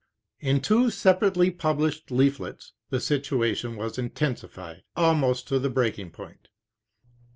In two separately published leaflets the situation was intensified almost to the breaking point.